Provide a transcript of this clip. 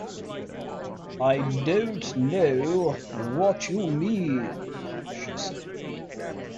‘I don’t know what you mean,’ she said.